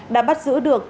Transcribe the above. đã bắt giữ được